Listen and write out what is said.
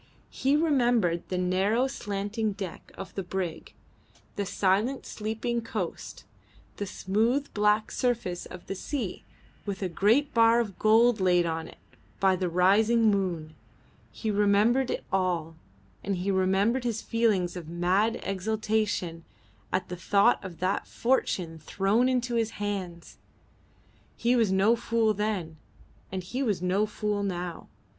He remembered the narrow slanting deck of the brig, the silent sleeping coast, the smooth black surface of the sea with a great bar of gold laid on it by the rising moon. He remembered it all, and he remembered his feelings of mad exultation at the thought of that fortune thrown into his hands. He was no fool then, and he was no fool now.